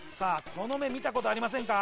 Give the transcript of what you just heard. この目見たことありませんか？